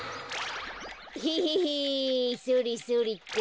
ヘヘヘそれそれっと。